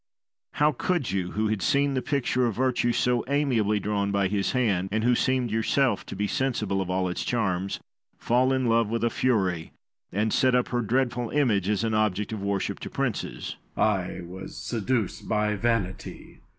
How could you, who had seen the picture of virtue so amiably drawn by his hand, and who seemed yourself to be sensible of all its charms, fall in love with a fury, and set up her dreadful image as an object of worship to princes? Machiavel. I was seduced by vanity.